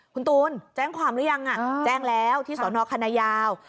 คุณตูนแจ้งความหรือยังแจ้งแล้วที่สนคณะยาว